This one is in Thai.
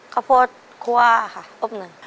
ข้าวโพดคั่วค่ะอบเนย